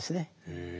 へえ。